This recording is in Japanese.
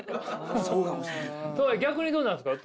逆にどうなんですか？